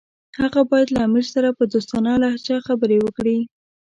هغه باید له امیر سره په دوستانه لهجه خبرې وکړي.